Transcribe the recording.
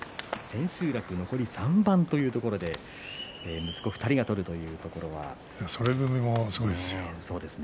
千秋楽残り３番というところで息子２人が取るということが。